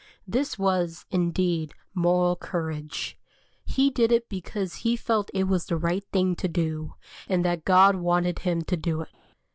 This was, indeed, moral courage; he did it because he felt it was the right thing to do, and that God wanted him to do it.